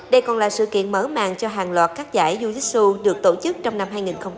đây còn là sự kiện mở mạng cho hàng loạt các giải jiu jitsu được tổ chức trong năm hai nghìn hai mươi bốn